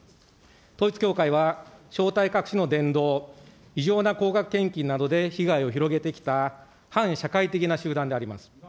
統一教会は正体隠しの伝道、異常な高額献金などで被害を広げてきた反社会的な集団であります。